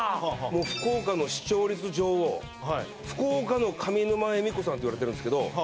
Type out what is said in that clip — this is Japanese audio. もう福岡の視聴率女王福岡の上沼恵美子さんって言われてるんですけど